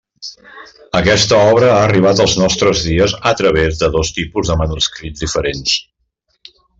Aquesta obra ha arribat als nostres dies a través de dos tipus de manuscrits diferents.